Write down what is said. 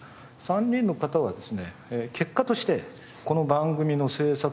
３人の方はですね結果としてこの番組の制作